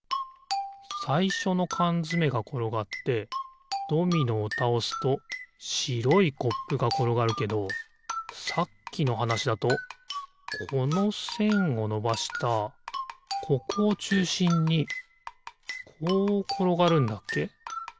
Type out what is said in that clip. さいしょのかんづめがころがってドミノをたおすとしろいコップがころがるけどさっきのはなしだとこのせんをのばしたここをちゅうしんにこうころがるんだっけ？